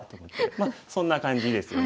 まあそんな感じですよね。